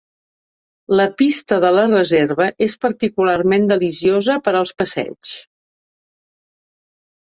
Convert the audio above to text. La pista de la reserva és particularment deliciosa per als passeigs.